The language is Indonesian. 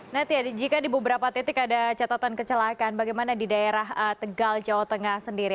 natia jika di beberapa titik ada catatan kecelakaan bagaimana di daerah tegal jawa tengah sendiri